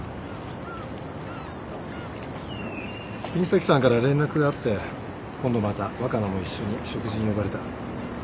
國東さんから連絡があって今度また若菜も一緒に食事に呼ばれた。